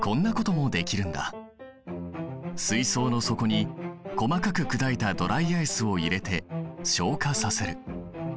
水槽の底に細かく砕いたドライアイスを入れて昇華させる。